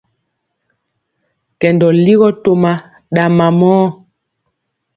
Kɛndɔ ligɔ toma ɗa mamɔɔ.